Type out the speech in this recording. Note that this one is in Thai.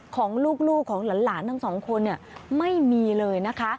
ของลูกของหลานทั้ง๒คนไม่มีเลยนะคะ